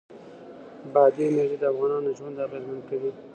بادي انرژي د افغانانو ژوند اغېزمن کوي.